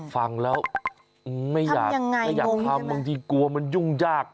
ฟังแล้วไม่อยากทำบางทีกลัวมันยุ่งจาก